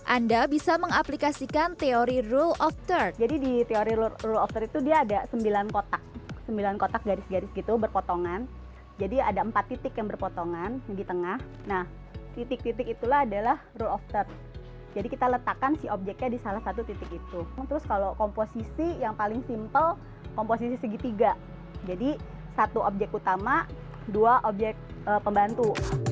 anda bisa mengaplikasikan kualitas foto yang berbeda dengan kualitas foto yang ada di dalam lampu